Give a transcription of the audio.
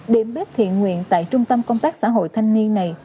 điểm bếp thiện nguyện tại trung tâm công tác xã hội thanh niên này